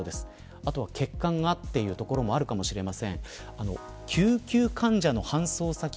あとは血管が、というところもあると思います。